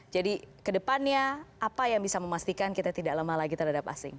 jadi kedepannya apa yang bisa memastikan kita tidak lemah lagi terhadap asing